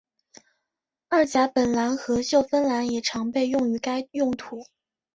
二甲苯蓝和溴酚蓝也常被用于该用途。